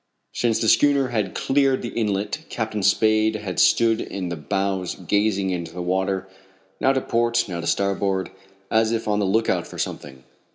Since the schooner had cleared the inlet Captain Spade had stood in the bows gazing into the water, now to port, now to starboard, as if on the lookout for something.